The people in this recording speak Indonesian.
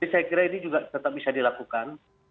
jadi saya kira ini juga tetap bisa dilakukan